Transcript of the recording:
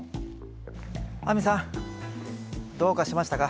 亜美さんどうかしましたか？